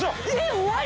終わり？